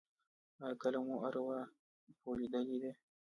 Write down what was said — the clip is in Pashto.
ایا کله مو ارواپوه لیدلی دی؟